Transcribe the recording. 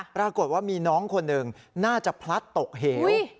ปรากฏว่ามีน้องคนหนึ่งน่าจะพลัดตกเหว